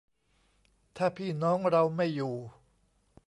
ถ้าพี่น้องเราไม่อยู่